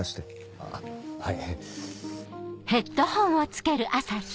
あっはい。